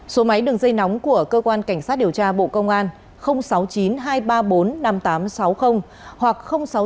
số máy đường dây nóng của cơ quan cảnh sát điều tra bộ công an sáu mươi chín hai trăm ba mươi bốn năm nghìn tám trăm sáu mươi hoặc sáu mươi chín hai trăm ba mươi hai một nghìn sáu trăm sáu mươi